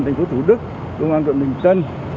tp hcm công an quận bình tân